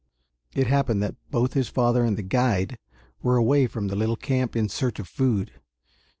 It happened that both his father and the guide were away from the little camp in search of food.